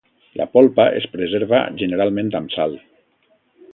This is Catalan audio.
La polpa es preserva generalment amb sal.